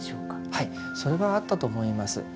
はいそれはあったと思います。